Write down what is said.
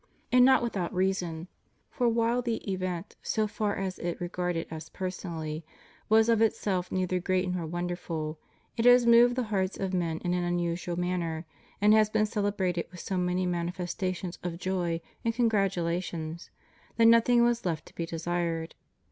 And not without reason; for while the event, so far as it regarded Us personally, was of itself neither great nor wonderful, it has moved the hearts of men in an unusual manner, and has been celebrated with so many manifesta tions of joy and congratulation that nothing was left to be desired.